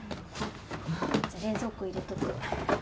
じゃあ冷蔵庫入れとく。